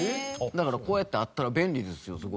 だからこうやってあったら便利ですよ